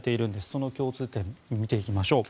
その共通点を見ていきましょう。